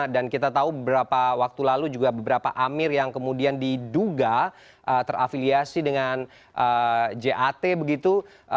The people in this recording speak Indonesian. dan kita tahu beberapa waktu lalu juga beberapa amir yang kemudian diduga terafiliasi dengan jat begitu